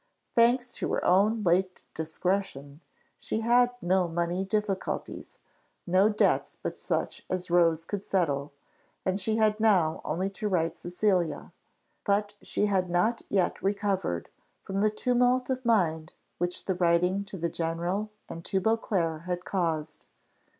Thanks to her own late discretion, she had no money difficulties no debts but such as Rose could settle, and she had now only to write to Cecilia; but she had not yet recovered from the tumult of mind which the writing to the general and to Beauclerc had caused.